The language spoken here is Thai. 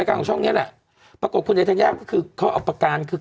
ประกันถูกเอาประกันคือใครไปออกรายการนั้นก็จะได้ประกันอุบัติเหตุ